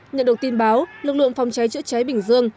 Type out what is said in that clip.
nhận được tin báo lực lượng phòng cháy chữa cháy bình dương